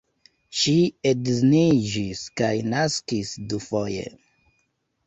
Ŝi edziniĝis kaj naskis dufoje.